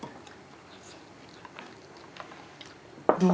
どう？